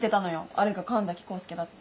あれが神崎康介だって。